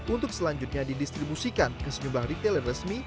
untuk selanjutnya didistribusikan ke senyumbang retail resmi